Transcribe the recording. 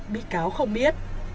bị cáo không biết